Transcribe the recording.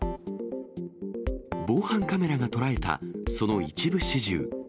防犯カメラが捉えた、その一部始終。